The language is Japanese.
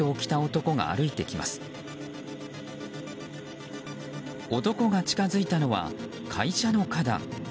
男が近づいたのは、会社の花壇。